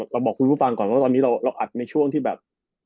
เราบอกคุณผู้ฟังก่อนว่าตอนนี้เราอัดในช่วงที่แบบ